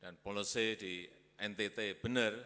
dan polosi di ntt benar